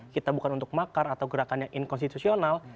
kita bukan untuk makar atau gerakannya inkonstitusional